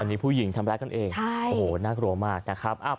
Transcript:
อันนี้ผู้หญิงทำร้ายกันเองโอ้โหน่ากลัวมากนะครับ